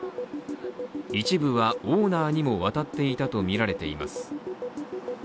一部はオーナーにも渡っていたとみられています。